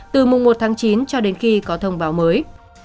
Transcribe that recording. từ mùng một tháng chín cho đến khi có thông báo mới